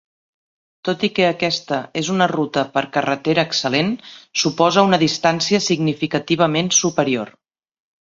Tot i que tota aquesta és una ruta per carretera excel·lent, suposa una distància significativament superior.